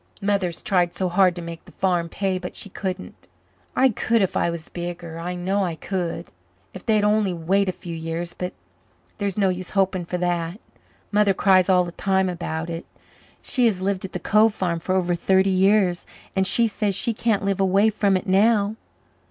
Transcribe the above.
Mother has tried so hard to make the farm pay but she couldn't. I could if I was bigger I know I could. If they would only wait a few years! But there is no use hoping for that. Mother cries all the time about it. She has lived at the Cove farm for over thirty years and she says she can't live away from it now.